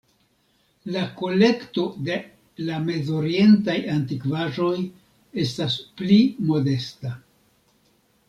La kolekto de la Mez-Orientaj antikvaĵoj estas pli modesta.